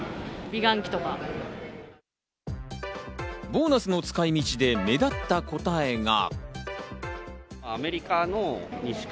ボーナスの使い道で目立った答えが。